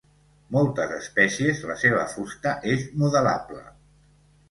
Moltes espècies, la seva fusta és modelable.